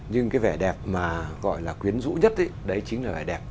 nhưng cái vẻ đẹp mà gọi là quyến rũ nhất đấy chính là vẻ đẹp